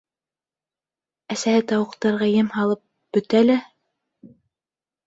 Әсәһе тауыҡтарға ем һалып бөтә лә: